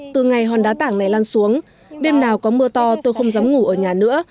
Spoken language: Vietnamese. từ ngày hòn đá tảng này lan xuống đêm nào có mưa to tôi không dám ngủ ở nhà nữa